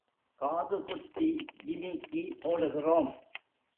காது குத்தி ஜிமிக்கி போடுகிறோம்.